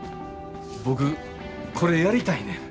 僕これやりたいねん。